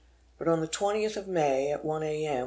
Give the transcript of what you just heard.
But, on the 20th of May, at one A. M.